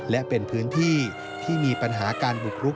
และเป็นพื้นที่ที่มีปัญหาการบุกรุก